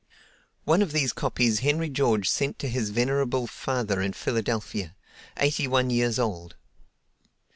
One of these copies Henry George sent to his venerable father in Philadelphia, eighty one years old.